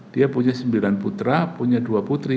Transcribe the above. dia punya sembilan putra punya dua putri